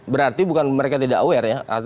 berarti bukan mereka tidak aware ya